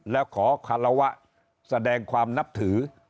แล้วขอคารวะแสดงความนับถือ